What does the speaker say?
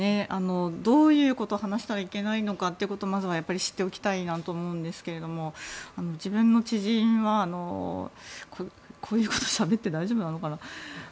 どういうことを話したらいけないのかということをまずは知っておきたいなと思うんですけれども自分の知人は、こういうことをしゃべって大丈夫なのかな。